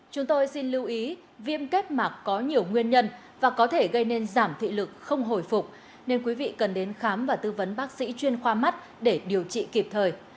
chúng tôi xin lưu ý viêm kết mạc có nhiều nguyên nhân và có thể gây nên giảm thị lực không hồi phục nên quý vị cần đến khám và tư vấn bác sĩ chuyên khoa mắt để điều trị kịp thời